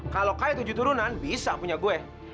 kalau kayak tujuh turunan bisa punya gue